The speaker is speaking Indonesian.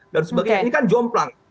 dan sebagainya ini kan jomplang